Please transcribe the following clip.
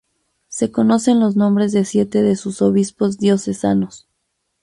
Se conocen los nombres de siete de sus obispos diocesanos.